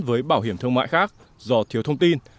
với bảo hiểm thương mại khác do thiếu thông tin